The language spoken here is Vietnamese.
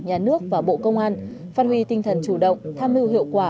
nhà nước và bộ công an phát huy tinh thần chủ động tham mưu hiệu quả